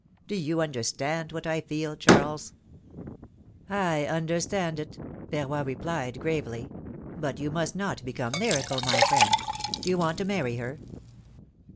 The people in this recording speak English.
Do you understand what I feel, Charles?^' understand it,'^ Verroy replied, gravely; ^^but you must not become lyrical, my friend. Do you want to marry her?